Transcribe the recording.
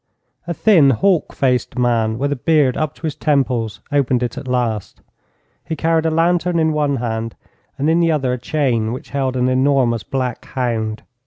A thin, hawk faced man, with a beard up to his temples, opened it at last. He carried a lantern in one hand, and in the other a chain which held an enormous black hound.